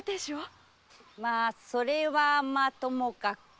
まあそれはともかく。